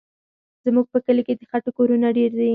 زموږ په کلي کې د خټو کورونه ډېر دي.